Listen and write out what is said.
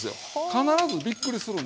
必ずびっくりするんです。